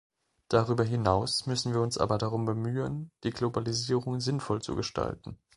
Darüber hinaus müssen wir uns aber darum bemühen, die Globalisierung sinnvoll zu gestalten.